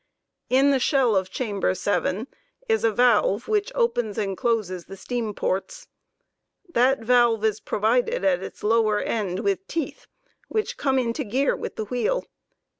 In the shell of chamber 7 is a valve (20) which opens and closes the steam ports. That valve is provided at its lower end with teeth which come into gear with the wheel 21.